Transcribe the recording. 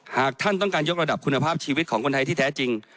หากท่านต้องการยกระดับคุณภาพชีวิตของคนไทยที่แท้จริง